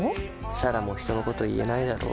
彩良も人のこと言えないだろ。